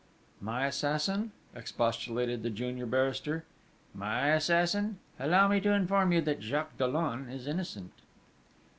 "My assassin!" expostulated the junior barrister: "My assassin! Allow me to inform you that Jacques Dollon is innocent!"